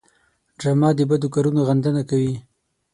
ډرامه د بدو کارونو غندنه کوي